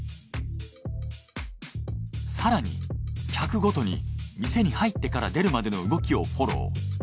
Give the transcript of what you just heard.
更に客ごとに店に入ってから出るまでの動きをフォロー。